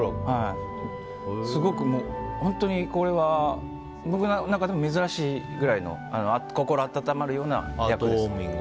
すごく、本当にこれは僕の中でも珍しいくらいの心温まるような役です。